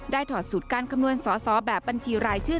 ถอดสูตรการคำนวณสอสอแบบบัญชีรายชื่อ